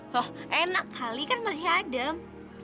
loh enak kali kan masih adem